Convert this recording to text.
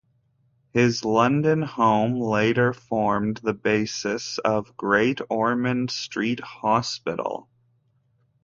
His London home later formed the basis of Great Ormond Street Hospital.